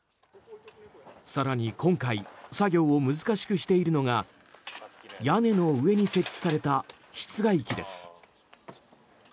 更に今回作業を難しくしているのが屋根の上に設置された室外機です。